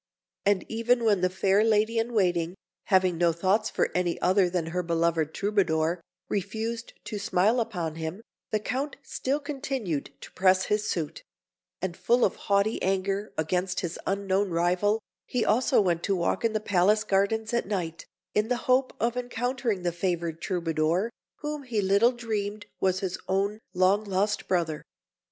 And even when the fair lady in waiting, having no thoughts for any other than her beloved Troubadour, refused to smile upon him, the Count still continued to press his suit; and full of haughty anger against his unknown rival, he also went to walk in the palace gardens at night, in the hope of encountering the favoured Troubadour, whom he little dreamed was his own long lost brother.